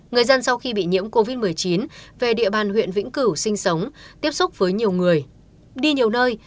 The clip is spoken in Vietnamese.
người dân sau khi bị nhiễm covid một mươi chín về địa bàn huyện vĩnh cửu sinh sống tiếp xúc với nhiều người đi nhiều nơi